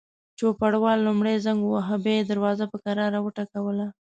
چوپړوال لومړی زنګ وواهه، بیا یې دروازه په کراره وټکوله.